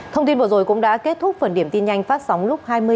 thông tin vừa rồi cũng đã kết thúc phần điểm tin nhanh phát sóng lúc hai mươi h